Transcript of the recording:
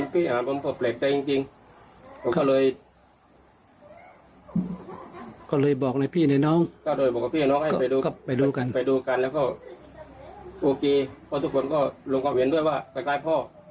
ท่านก็บอกดูกันแล้วก็ต้องก็ลงความเห็นด้วยว่ากลายพ่อ